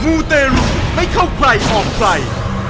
มูเตลูกให้เข้าใครออกใคร